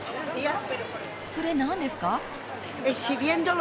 それ何ですか？